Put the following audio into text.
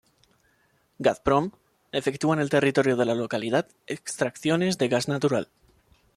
Gazprom efectúa en el territorio de la localidad extracciones de gas natural.